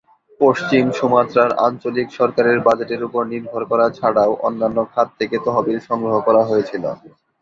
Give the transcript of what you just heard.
পশ্চিম সুমাত্রার আঞ্চলিক সরকারের বাজেটের উপর নির্ভর করা ছাড়াও অন্যান্য খাত থেকে তহবিল সংগ্রহ করা হয়ে ছিল।